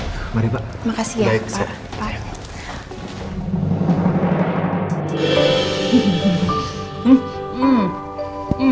terima kasih ya pak